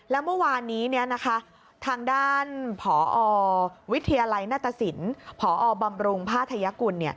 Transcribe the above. แล้วเมื่อวานนี้ทางด้านผอวิทยาลัยหน้าตสินพอบำรุงพัทยกุล